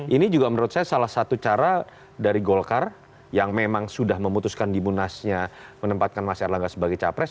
ini juga menurut saya salah satu cara dari golkar yang memang sudah memutuskan di munasnya menempatkan mas erlangga sebagai capres